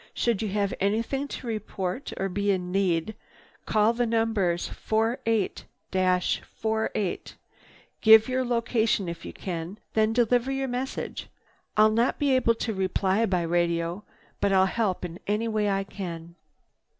Should you have anything to report or be in need, call the numbers 48—48, give your location if you can, then deliver your message. I'll not be able to reply by radio, but I'll help in any way I can."